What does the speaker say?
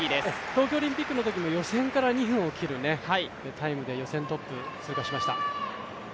東京オリンピックのときも予選から２分を切るタイムで予選トップ通過しました。